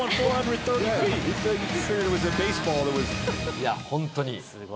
いや、本当に。